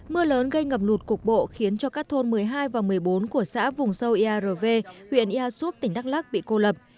mưa lớn gây ngầm lụt cục bộ khiến cho các thôn một mươi hai và một mươi bốn của xã vùng sâu ea rơ vê huyện ea súp tỉnh đắk lắc bị cô lập